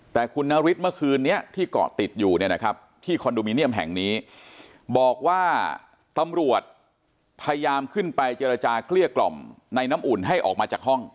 แต่คุณนฤทธิ์เมื่อคืนนี้ที่เกาะติดอยู่เนี่ยนะครับที่คอนโดมิเนียมแห่งนี้บอกว่าตำรวจพยายามขึ้นไปเจรจาเกลี้ยกล่อมในน้ำอุ่นให้ออกมาจากห้อง